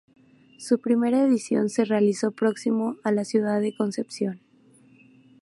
Su primera edición se realizó próximo a la ciudad de Concepción.